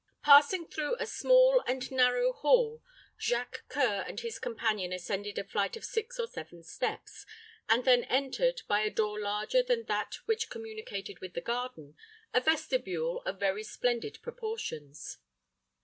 Passing through a small and narrow hall, Jacques C[oe]ur and his companion ascended a flight of six or seven steps, and then entered, by a door larger than that which communicated with the garden, a vestibule of very splendid proportions.